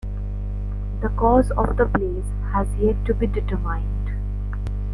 The cause of the blaze has yet to be determined.